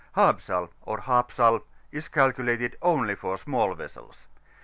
BABSAXiy ox BAPSALy is calculated only for small vessels.